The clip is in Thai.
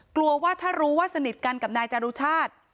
กลัวว่าถ้ารู้ว่าสนิทกันกับนายจารุชาติ